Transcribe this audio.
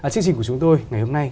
chương trình của chúng tôi ngày hôm nay